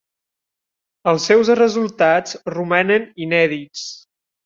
Els seus resultats romanen inèdits.